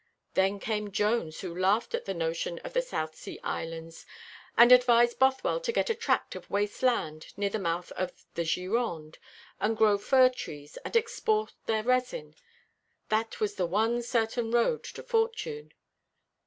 Then came Jones, who laughed at the notion of the South Sea Islands, and advised Bothwell to get a tract of waste land, near the mouth of the Gironde, and grow fir trees, and export their resin; that was the one certain road to fortune.